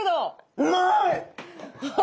うまい！